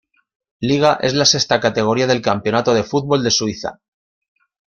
Liga es la sexta categoría del Campeonato de Fútbol de Suiza.